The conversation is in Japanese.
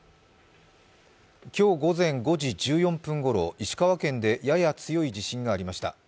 今日午前５時１４分ごろ石川県でやや強い地震がありました。